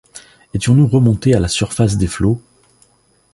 Étions-nous remontés à la surface des flots ?